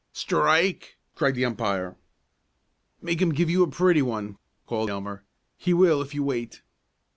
"Strike!" cried the umpire. "Make him give you a pretty one!" called Elmer. "He will if you wait."